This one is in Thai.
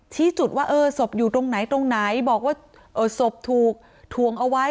ชี้จุดว่าเออศพอยู่ตรงไหนตรงไหนบอกว่าศพถูกถวงเอาไว้